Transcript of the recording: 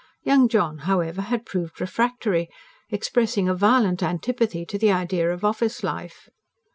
Young John, however, had proved refractory, expressing a violent antipathy to the idea of office life.